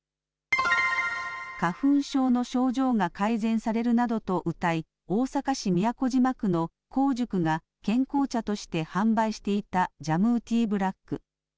花粉症の症状が改善されるなどとうたい大阪市都島区の香塾が健康茶として販売していたジャムー・ティー・ブラック。